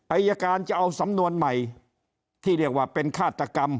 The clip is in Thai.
อายการจะเอาสำนวนใหม่ที่เรียกว่าเป็นฆาตกรรม